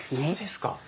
そうですか。